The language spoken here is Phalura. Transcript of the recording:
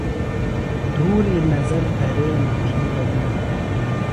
دُھوری نظر دھرینیۡ تھی بلیِیم۔